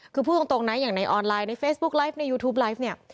คือพูดตรงนะอย่างในออนไลน์ในเฟซบุ๊กไลฟ์ในยูทูปไลฟ์เนี่ย